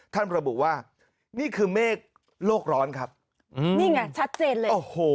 ระบุว่านี่คือเมฆโลกร้อนครับอืมนี่ไงชัดเจนเลยโอ้โห